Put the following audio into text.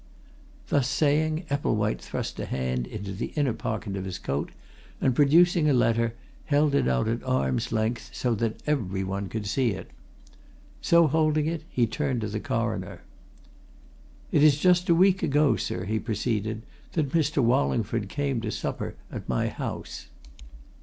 Thus saying, Epplewhite thrust a hand into the inner pocket of his coat, and, producing a letter, held it out at arm's length, so that every one could see it. So holding it, he turned to the Coroner. "It is just a week ago, sir," he proceeded, "that Mr. Wallingford came to supper at my house.